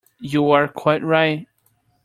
You are quite right.